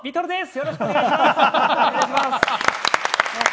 よろしくお願いします。